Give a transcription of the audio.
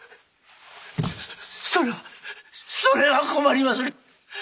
それはそれは困りまする！